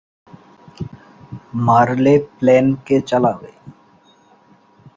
মারলে প্লেন কে চালাবে?